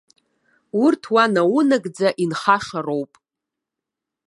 Урҭ уа наунагӡа инхаша роуп.